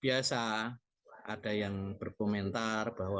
biasa ada yang berkomentar bahwa